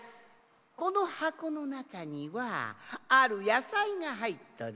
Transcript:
このはこのなかにはあるやさいがはいっとる。